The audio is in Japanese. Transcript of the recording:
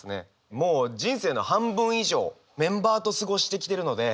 もう人生の半分以上メンバーと過ごしてきてるので。